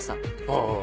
ああ。